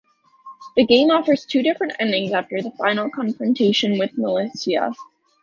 The game offers two different endings after the final confrontation with Malicia.